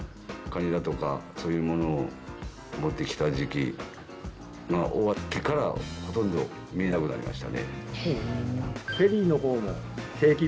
カニだとかそういうものを持ってきた時期が終わってからほとんど見えなくなりましたね。